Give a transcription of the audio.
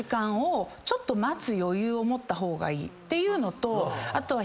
ていうのとあとは。